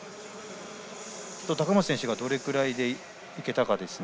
高松選手がどれくらいでいけたかですね。